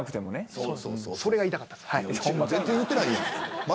それが言いたかった。